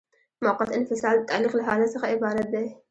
موقت انفصال د تعلیق له حالت څخه عبارت دی.